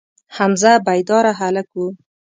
حمزه بیداره هلک و.